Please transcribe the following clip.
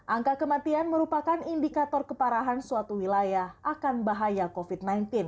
angka kematian merupakan indikator keparahan suatu wilayah akan bahaya covid sembilan belas